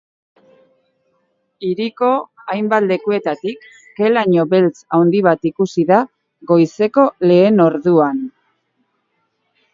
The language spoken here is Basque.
Hiriko hainbat lekutatik ke-laino beltz handi bat ikusi da goizeko lehen orduan.